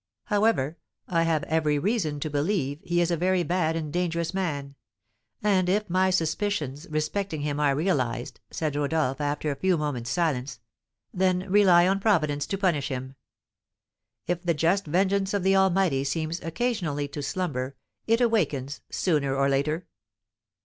However, I have every reason to believe he is a very bad and dangerous man; and if my suspicions respecting him are realised," said Rodolph, after a few moments' silence, "then rely on Providence to punish him. If the just vengeance of the Almighty seems occasionally to slumber, it awakens, sooner or later."